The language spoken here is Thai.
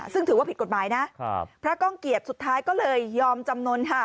ซึ่งถือว่าผิดกฎหมายนะพระก้องเกียจสุดท้ายก็เลยยอมจำนวนค่ะ